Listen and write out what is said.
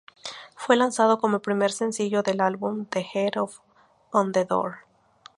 Fue lanzado como primer sencillo del álbum The head on the door.